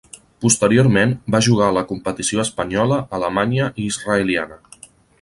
Posteriorment va jugar a la competició espanyola, alemanya i israeliana.